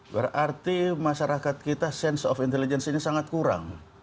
berarti masyarakat kita sense of intelligence ini sangat kurang